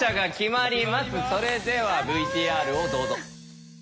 それではＶＴＲをどうぞ。